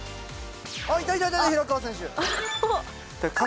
あっいたいたいた平川選手。